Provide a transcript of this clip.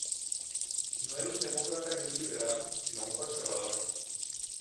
No era un demócrata ni un liberal, sino un conservador.